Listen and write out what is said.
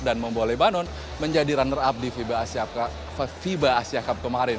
dan membawa lebanon menjadi runner up di fiba asia cup kemarin